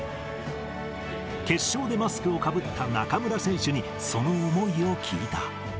決勝でマスクをかぶった中村選手にその思いを聞いた。